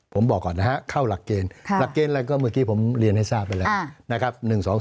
ผมบอกก่อนนะฮะเข้าหลักเกณฑ์หลักเกณฑ์อะไรก็เมื่อกี้ผมเรียนให้ทราบไปแล้วนะครับ